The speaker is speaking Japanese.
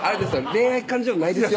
恋愛感情ないですよ